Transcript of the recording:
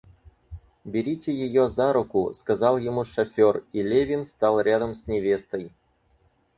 Берите ее за руку, — сказал ему шафер, и Левин стал рядом с невестой.